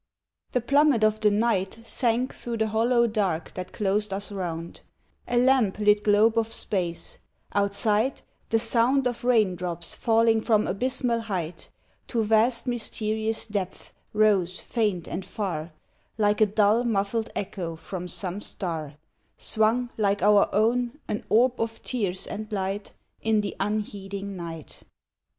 The plummet of the night Sank through the hollow dark that closed us round, A lamp lit globe of space; outside, the sound Of rain drops falling from abysmal height To vast mysterious depths rose faint and far, Like a dull muffled echo from some star Swung, like our own, an orb of tears and light In the unheeding night.